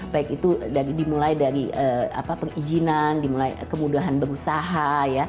baik itu dimulai dari pengijinan dimulai kemudahan berusaha